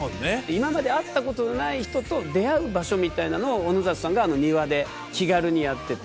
今まで会ったことない人と出会う場所みたいなのを小野里さんがあの庭で気軽にやってて。